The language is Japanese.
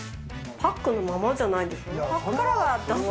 パックのままじゃないでしょ？